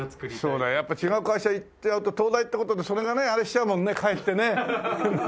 そうだよやっぱ違う会社行ってやると東大って事でそれがねあれしちゃうもんねかえってね。